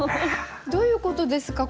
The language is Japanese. どういうことですか？